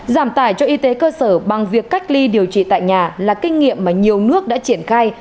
giảm tải cho y tế cơ sở bằng việc cách ly điều trị tại nhà là kinh nghiệm mà nhiều nước đã triển khai